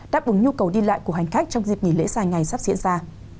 đáp ứng nhu cầu đi lại của hành khách trong dịp nghỉ lễ dài ngày sắp diễn ra